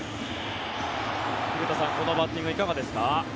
古田さん、このバッティングはいかがですか？